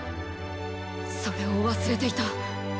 それを忘れていた。